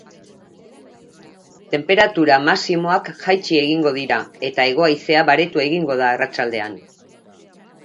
Tenperatura maximoak jaitsi egingo dira eta hego-haizea baretu egingo da arratsaldean.